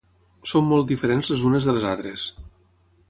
són molt diferents les unes de les altres